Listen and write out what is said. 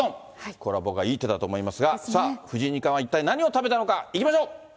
これは僕はいい手だと思いますが、さあ、藤井二冠は一体、何を食べたのか、いきましょう。